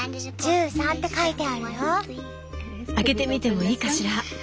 開けてみてもいいかしら？